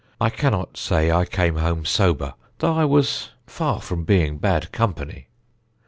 I cannot say I came home sober, though I was far from being bad company.